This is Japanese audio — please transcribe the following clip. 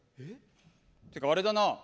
てか、あれだな。